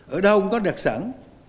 ở đâu cũng có đặc sản